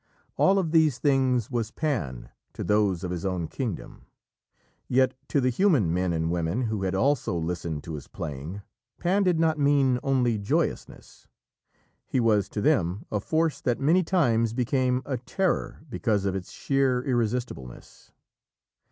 All of these things was Pan to those of his own kingdom. Yet to the human men and women who had also listened to his playing, Pan did not mean only joyousness. He was to them a force that many times became a terror because of its sheer irresistibleness.